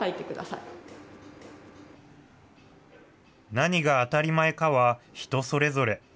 何が当たり前かは、人それぞれ。